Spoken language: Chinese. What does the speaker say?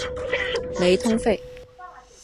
雷通费。